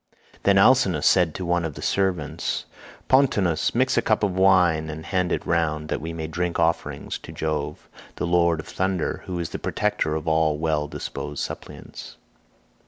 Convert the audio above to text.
Then Alcinous said to one of the servants, "Pontonous, mix a cup of wine and hand it round that we may make drink offerings to Jove the lord of thunder, who is the protector of all well disposed suppliants."